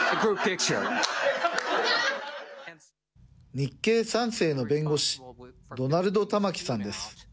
日系３世の弁護士、ドナルド・タマキさんです。